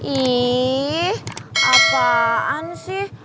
ih apaan sih